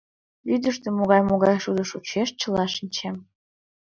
Вӱдыштӧ могай-могай шудо шочеш — чыла шинчем.